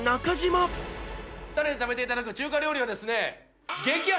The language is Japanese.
２人に食べていただく中華料理はですね。